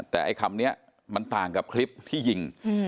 แต่คำนี้มันต่างกับคลิปพี่สนับสนุนที่ยิง